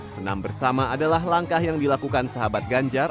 senam bersama adalah langkah yang dilakukan sahabat ganjar